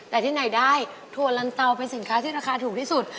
แต่ที่ไหนได้ถั่วลันเตาเป็นสินค้าที่ราคาถูกที่สุด